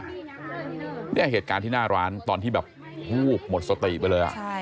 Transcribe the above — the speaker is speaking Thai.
เนี่ยเหตุการณ์ที่หน้าร้านตอนที่แบบวูบหมดสติไปเลย